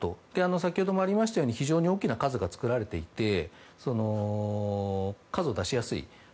先ほどもありましたように非常に多くの数が作られていて数を出しやすい。